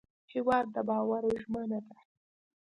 هېواد د باور ژمنه ده.